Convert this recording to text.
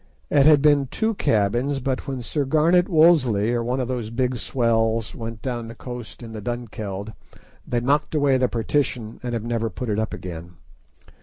It had been two cabins, but when Sir Garnet Wolseley or one of those big swells went down the coast in the Dunkeld, they knocked away the partition and have never put it up again.